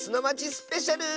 スペシャル！